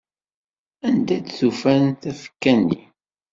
Anda d ufan tafekka-nni?